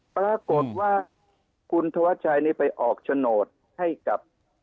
ปรากฏว่าคุณธวัชชัยนี่ไปออกโฉนดให้กับ